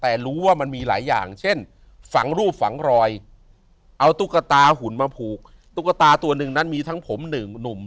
เอาตุ๊กตาหุ่นมาผูกตุ๊กตาตัวนึงนั้นมีทั้งผมหนึ่งหนุ่ม